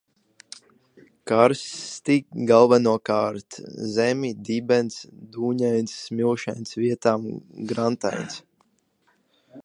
Krasti galvenokārt zemi, dibens dūņains, smilšains, vietām – grantains.